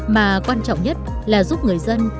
mà quan trọng nhất là giúp người dân